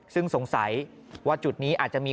ซึ่งสงสัยว่าจุดนี้อาจจะมี